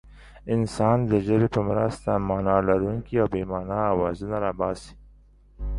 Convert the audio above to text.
انسان د ژبې په مرسته مانا لرونکي او بې مانا اوازونه را باسي.